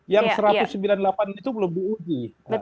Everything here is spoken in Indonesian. yang satu ratus sembilan puluh delapan itu belum diuji